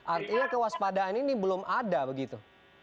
artinya kewaspadaan ini belum ada begitu